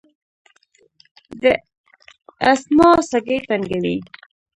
د اسثما سږي تنګوي.